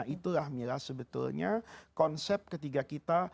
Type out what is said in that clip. itu lah sebetulnya konsep ketiga kita